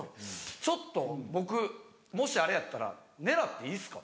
「ちょっと僕もしあれやったら狙っていいっすか？」